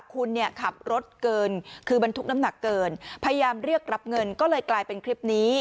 คุณเนี่ยขับรถเกินคือบรรทุกน้ำหนักเกินพยายามเรียกรับเงินก็เลยกลายเป็นคลิปนี้